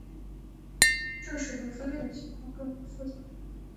这使得分类的情况更为复杂。